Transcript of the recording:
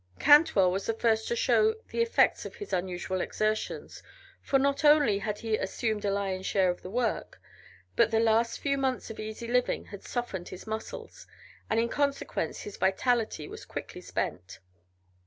Cantwell was the first to show the effects of his unusual exertions, for not only had he assumed a lion's share of the work, but the last few months of easy living had softened his muscles, and in consequence his vitality was quickly spent.